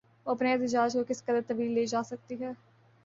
وہ اپنے احتجاج کو کس قدر طویل لے جا سکتی ہے؟